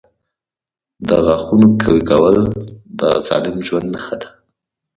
• د غاښونو قوي کول د سالم ژوند نښه ده.